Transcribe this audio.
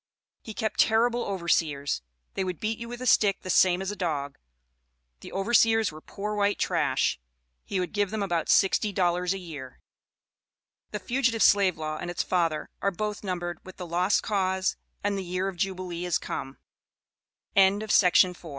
He kept terrible overseers; they would beat you with a stick the same as a dog. The overseers were poor white trash; he would give them about sixty dollars a year." The Fugitive Slave Law and its Father are both numbered with the "Lost Cause," and the "Year of Jubilee has come." ARRIVAL FROM THE OLD DOMINION. NINE VERY F